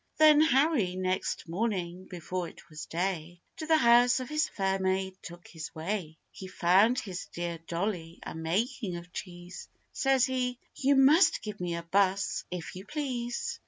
Then Harry next morning, before it was day, To the house of his fair maid took his way. He found his dear Dolly a making of cheese, Says he, 'You must give me a buss, if you please!